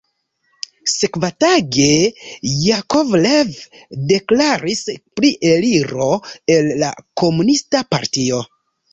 Sekvatage Jakovlev deklaris pri eliro el la komunista partio.